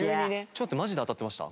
ちょっとマジで当たってました？